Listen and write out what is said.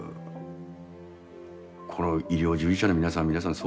この医療従事者の皆さん皆さん